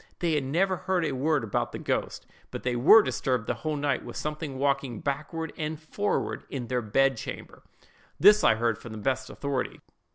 They had never heard a word about the ghost; but they were disturbed the whole night with something walking backward and forward in their bed chamber. This I had from the best authority.